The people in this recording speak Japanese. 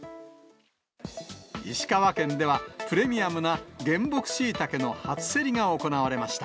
石川県では、プレミアムな原木しいたけの初競りが行われました。